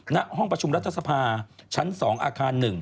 ณห้องประชุมรัฐสภาชั้น๒อาคาร๑